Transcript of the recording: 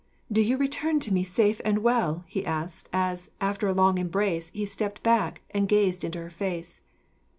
"Do you return to me safe and well?" he asked, as, after a long embrace, he stepped back and gazed into her face.